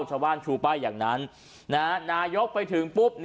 ชาวบ้านชูป้ายอย่างนั้นนายกไปถึงปุ๊บ